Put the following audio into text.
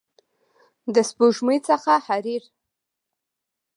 د سپوږمۍ څخه حریر